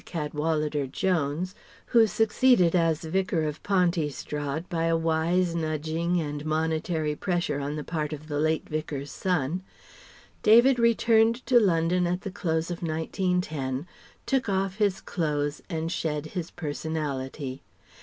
Cadwalladr Jones (who succeeded as Vicar of Pontystrad by a wise nudging and monetary pressure on the part of the late Vicar's son), David returned to London at the close of 1910, took off his clothes and shed his personality.